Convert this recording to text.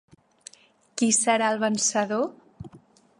Qui serà el vencedor?